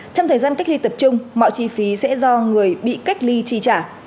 trong thời gian cách ly tập trung mọi chi phí sẽ do người bị cách ly tri trả